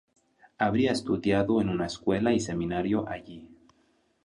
Habría estudiado en una escuela y seminario allí.